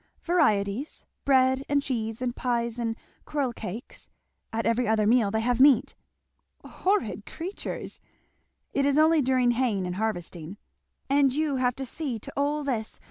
"Varieties. Bread and cheese, and pies, and Quirlcakes; at every other meal they have meat." "Horrid creatures!" "It is only during haying and harvesting." "And you have to see to all this!